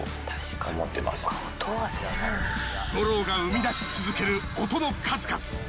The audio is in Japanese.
ＧＯＲＯが生み出し続ける音の数々。